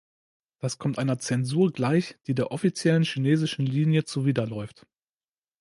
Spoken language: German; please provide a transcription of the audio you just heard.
Das kommt einer Zensur gleich, die der offiziellen chinesischen Linie zuwiderläuft.